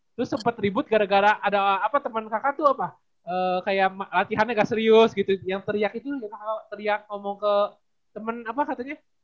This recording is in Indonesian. terus sempat ribut gara gara ada apa teman kakak tuh apa kayak latihannya gak serius gitu yang teriak itu teriak ngomong ke temen apa katanya